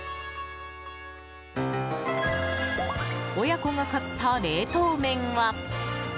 親子が買った冷凍麺は。